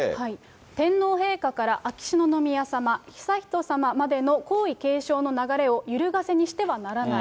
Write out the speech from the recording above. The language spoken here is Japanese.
天皇陛下から秋篠宮さま、悠仁さままでの皇位継承の流れをゆるがせにしてはならない。